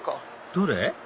どれ？